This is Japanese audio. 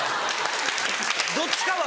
どっちかは。